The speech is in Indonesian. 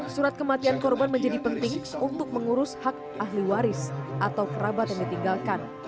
surat kematian korban menjadi penting untuk mengurus hak ahli waris atau kerabat yang ditinggalkan